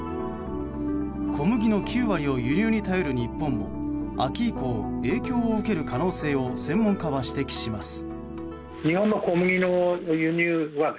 小麦の９割を輸入に頼る日本も秋以降、影響を受ける可能性を専門家は指摘します。